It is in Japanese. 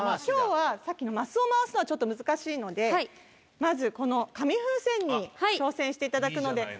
今日はさっきの升を回すのはちょっと難しいのでまずこの紙風船に挑戦していただくので。